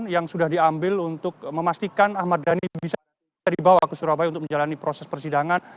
yang sudah diambil untuk memastikan ahmad dhani bisa dibawa ke surabaya untuk menjalani proses persidangan